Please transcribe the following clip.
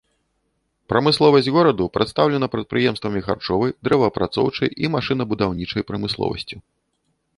Прамысловасць гораду прадстаўлена прадпрыемствамі харчовай, дрэваапрацоўчай і машынабудаўнічай прамысловасцю.